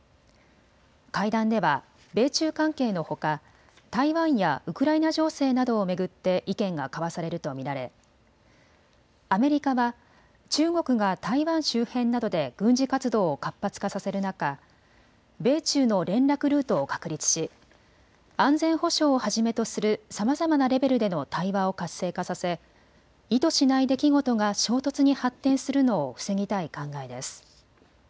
会談では米中関係のほか台湾やウクライナ情勢などを巡って意見が交わされると見られアメリカは中国が台湾周辺などで軍事活動を活発化させる中、米中の連絡ルートを確立し安全保障をはじめとするさまざまなレベルでの対話を活性化させ意図しない出来事が衝突に発展するのを防ぎたい考えです。